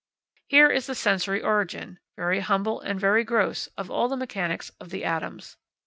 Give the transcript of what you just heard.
Here is the sensory origin, very humble and very gross, of all the mechanics of the atoms.